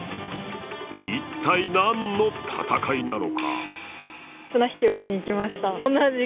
一体、何の戦いなのか。